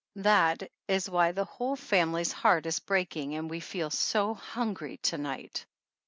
This is why the whole family's heart is breaking and we feel so hungry to night.